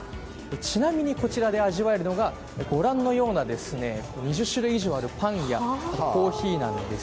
ちなみにこちらで食べられるのはご覧のような２０種類以上あるパンやコーヒーなんです。